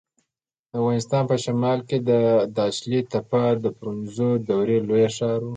د افغانستان په شمال کې د داشلي تپه د برونزو دورې لوی ښار و